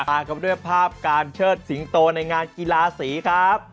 กันไปด้วยภาพการเชิดสิงโตในงานกีฬาสีครับ